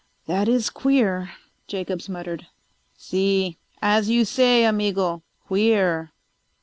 "That is queer," Jacobs muttered. "Si. As you say, amigo. Queer."